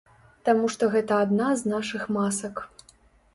Таму што гэта адна з нашых масак.